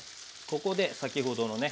ここで先ほどのね